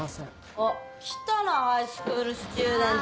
あっ来たなハイスクールスチューデント。